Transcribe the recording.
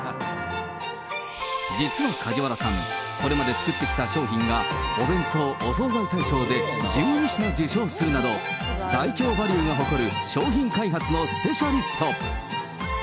実は梶原さん、これまで作ってきた商品は、お弁当・お惣菜大賞で１２品受賞するなど、ダイキョーバリューが誇る商品開発のスペシャリスト。